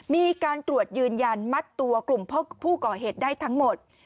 มีการตรวจยืนยันมัดตัวกลุ่มผู้ก่อเหตุได้ทั้งหมด